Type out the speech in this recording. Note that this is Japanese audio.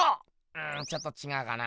うんちょっとちがうかな。